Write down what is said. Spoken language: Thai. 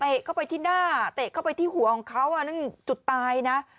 เข้าไปที่หน้าเตะเข้าไปที่หัวของเขาอ่ะนั่นจุดตายนะ